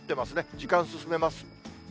時間進めます。